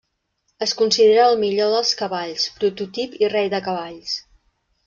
Es considera el millor dels cavalls, prototip i rei de cavalls.